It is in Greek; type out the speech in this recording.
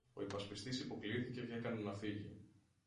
Ο υπασπιστής υποκλίθηκε κι έκανε να φύγει.